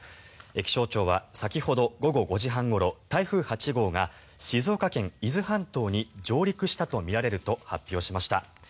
気象庁は、先ほど午後５時半ごろ台風８号が静岡県・伊豆半島に上陸したとみられると発表しました。